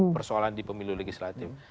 persoalan di pemilu legislatif